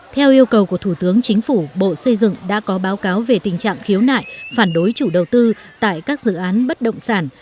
theo yêu cầu của thủ tướng chính phủ bộ xây dựng đã có báo cáo về tình trạng khiếu nại phản đối chủ đầu tư tại các dự án bất động sản